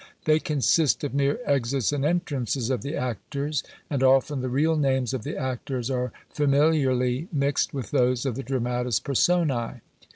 They consist of mere exits and entrances of the actors, and often the real names of the actors are familiarly mixed with those of the dramatis personÃḊ.